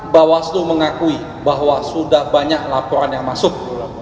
bawaslu mengakui bahwa sudah banyak laporan yang masuk